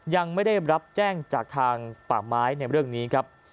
ยังไม่ได้รับแจ้งจากทางป่าไม้ในเรื่องนี้ครับ